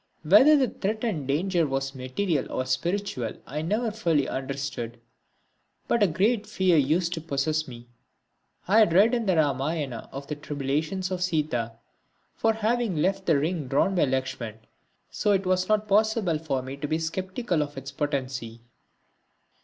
Whether the threatened danger was material or spiritual I never fully understood, but a great fear used to possess me. I had read in the Ramayana of the tribulations of Sita for having left the ring drawn by Lakshman, so it was not possible for me to be sceptical of its potency.